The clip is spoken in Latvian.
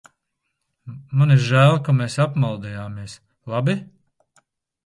Man ir žēl, ka mēs apmaldījāmies, labi?